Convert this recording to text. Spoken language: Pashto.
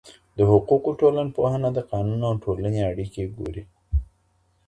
د حقوقو ټولنپوهنه د قانون او ټولنې اړیکه ګوري.